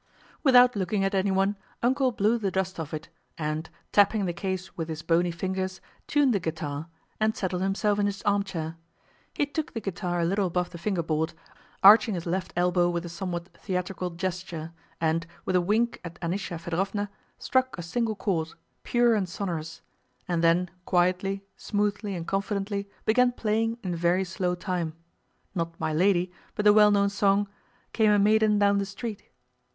Without looking at anyone, "Uncle" blew the dust off it and, tapping the case with his bony fingers, tuned the guitar and settled himself in his armchair. He took the guitar a little above the fingerboard, arching his left elbow with a somewhat theatrical gesture, and, with a wink at Anísya Fëdorovna, struck a single chord, pure and sonorous, and then quietly, smoothly, and confidently began playing in very slow time, not My Lady, but the well known song: Came a maiden down the street.